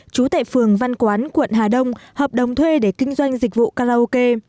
trú tại phường văn quán quận hà đông hợp đồng thuê để kinh doanh dịch vụ karaoke